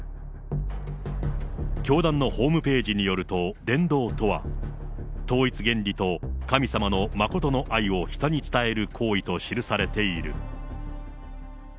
教団のホームページによると、伝道とは、統一原理と、神様の真の愛を人に伝える行為と記されている。